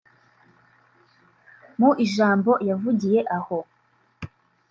Mu ijambo yavugiye aho